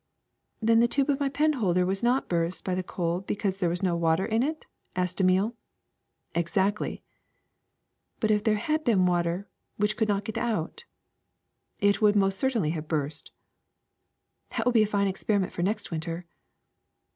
^^Then the tube of my penholder was not burst by the cold because there was no water in it?" asked Emile. *^ Exactly." *^But if there had been water there which could not get out?" ^^It would most certainly have burst." '' That will be a fine experiment for next winter.